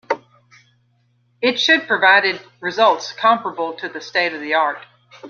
It should provided results comparable to the state of the art.